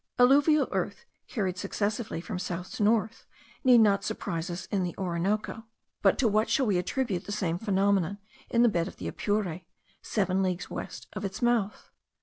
Alluvial earth carried successively from south to north need not surprise us in the Orinoco; but to what shall we attribute the same phenomenon in the bed of the Apure, seven leagues west of its mouth?